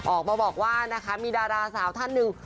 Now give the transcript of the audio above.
ออกมาบอกว่านะคะมีดาราสาวท่านหนึ่ง